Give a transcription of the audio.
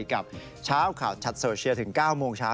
กับเช้าข่าวชัดโซเชียลถึง๙โมงเช้า